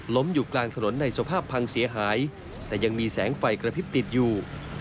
อยู่กลางถนนในสภาพพังเสียหายแต่ยังมีแสงไฟกระพริบติดอยู่